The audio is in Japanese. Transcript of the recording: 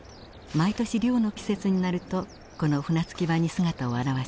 毎年漁の季節になるとこの船着き場に姿を現します。